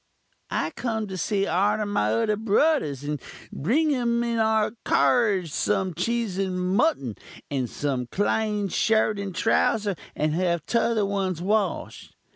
"'I kum to see arter my udder brudurs, and bring um in our carruge some cheese and muttun, and some clene shirt and trowser, and have tother ones wash'd.